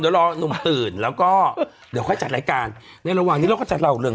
เดี๋ยวรอหนุ่มตื่นแล้วก็เดี๋ยวค่อยจัดรายการในระหว่างนี้เราก็จะเล่าเรื่อง